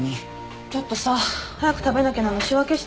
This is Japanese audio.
ちょっとさ早く食べなきゃなの仕分けして。